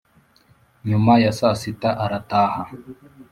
nyuma ya saa sita arataha